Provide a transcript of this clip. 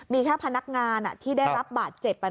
มีแค่พนักงานที่ได้รับบาดเจ็บ